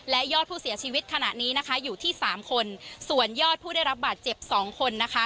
และยอดผู้เสียชีวิตขณะนี้นะคะอยู่ที่สามคนส่วนยอดผู้ได้รับบาดเจ็บสองคนนะคะ